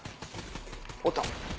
おった。